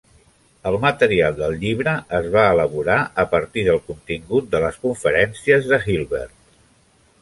El material del llibre es va elaborar a partir del contingut de les conferències de Hilbert.